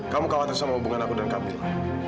kamu khawatir sama hubungan aku dan kamu